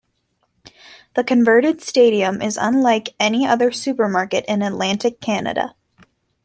The converted stadium is unlike any other supermarket in Atlantic Canada.